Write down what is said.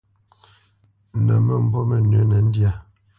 Nə̌ məmbu mənʉ̌nə ndyâ,